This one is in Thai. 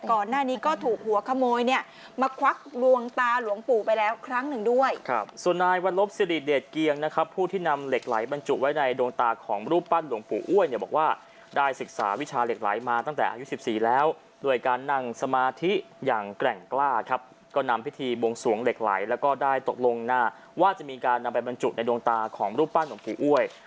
ก่อนหน้านี้ก็ถูกหัวขโมยมาควักดวงตาหลวงปู่ไปแล้วครั้งหนึ่งด้วย